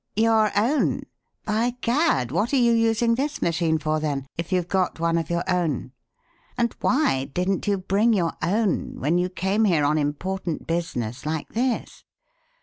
"Your own! By Gad! What are you using this machine for, then, if you've got one of your own? And why didn't you bring your own when you came here on important business like this?"